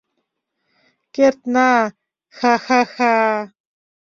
Кертна, ха-ха-ха!